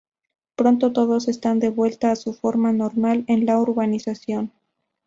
Pronto todos están de vuelta a su forma normal en la urbanización.